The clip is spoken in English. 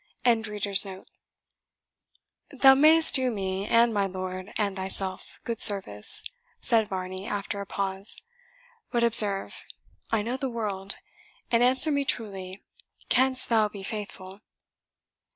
] "Thou mayest do me, and my lord, and thyself, good service," said Varney, after a pause. "But observe, I know the world and answer me truly, canst thou be faithful?"